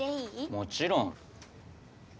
もちろん！